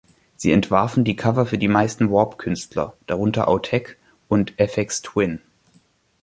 Sie entwarfen die Cover für die meisten Warp-Künstler, darunter Autechre und Aphex Twin.